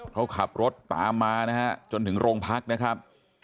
เขาขับรถตามมานะฮะจนถึงโรงพักนะครับ